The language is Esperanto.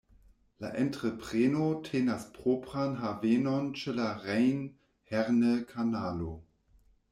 La entrepreno tenas propran havenon ĉe la Rejn-Herne-Kanalo.